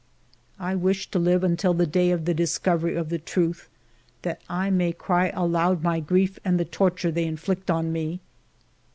I wish to live until the day of the discovery of the truth, that I may cry aloud my grief and the torture they inflict on me.